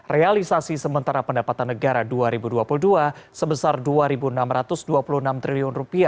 realisasi sementara pendapatan negara dua ribu dua puluh dua sebesar rp dua enam ratus dua puluh enam triliun